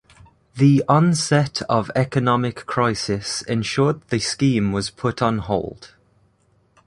The onset of economic crisis ensured the scheme was put on hold.